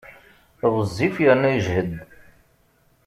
Ɣezzif yerna yejhed.